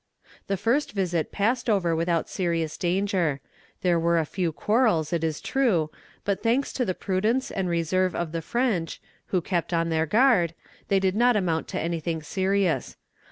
"The first visit passed over without serious danger. There were a few quarrels, it is true; but, thanks to the prudence and reserve of the French, who kept on their guard, they did not amount to anything serious.